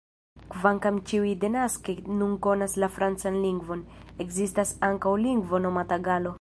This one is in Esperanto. Kvankam ĉiuj denaske nun konas la francan lingvon, ekzistas ankaŭ lingvo nomata "galo".